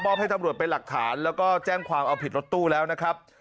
ให้ตำรวจเป็นหลักฐานแล้วก็แจ้งความเอาผิดรถตู้แล้วนะครับ